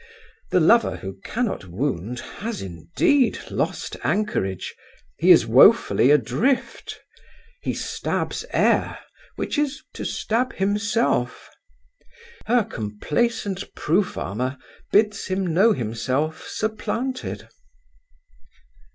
The lover who cannot wound has indeed lost anchorage; he is woefully adrift: he stabs air, which is to stab himself. Her complacent proof armour bids him know himself supplanted.